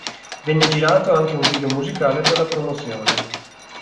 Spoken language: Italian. Venne girato anche un video musicale per la promozione.